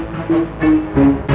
kan masih penuh